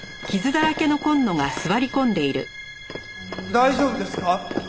大丈夫ですか？